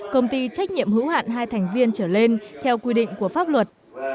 công ty trách nhiệm hữu hạn hai thành viên trở lên theo quy định của pháp luật